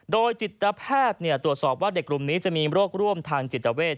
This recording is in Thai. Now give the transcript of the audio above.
โดยจิตแพทย์ตรวจสอบว่าเด็กกลุ่มนี้จะมีโรคร่วมทางจิตเวท